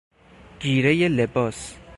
گیره لباس